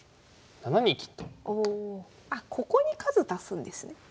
あっここに数足すんですね。